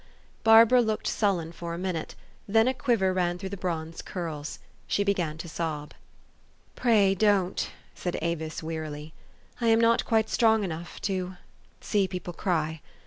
Barbara looked sullen for a minute ; then a quiver ran through the bronze curls. She began to sob. u Pray don't," said Avis wearily. " I am not quite strong enough to see people cry.